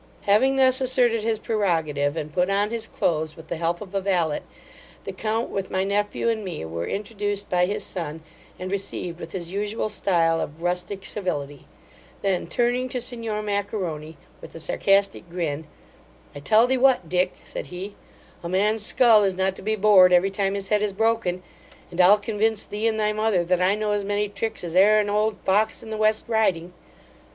Having thus asserted his prerogative, and put on his cloaths with the help of a valet, the count, with my nephew and me, were introduced by his son, and received with his usual stile of rustic civility; then turning to signor Macaroni, with a sarcastic grin, 'I tell thee what, Dick (said he), a man's scull is not to be bored every time his head is broken; and I'll convince thee and thy mother, that I know as many tricks as e'er an old fox in the West Riding.